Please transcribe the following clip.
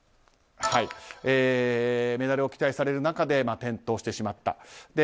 メダルを期待される中で転倒してしまった。